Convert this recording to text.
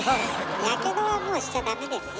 やけどはもうしちゃダメですよ。